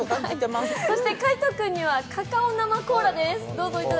そして海音君にはカカオ生コーラです。